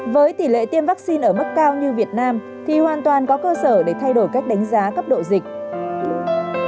với tỷ lệ tiêm vaccine ở mức cao như việt nam thì hoàn toàn có cơ sở để thay đổi cách đánh giá cấp độ dịch